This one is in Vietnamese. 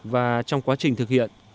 và trong quá trình thực hiện